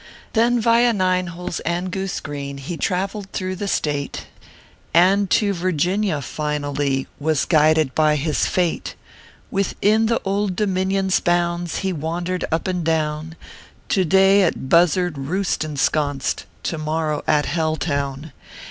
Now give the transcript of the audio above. Then, via Nino Holes and Goose Green, He traveled through the State, And to Virginia, finally, "Was guided by his fate. "Within the Old Dominion s bounds, He wandered up and down, To day, at Buzzard Roost ensconced, To morrow, at Hell Town.